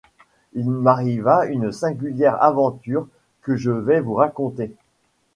Il m'arriva une singulière aventure que je vais vous raconter.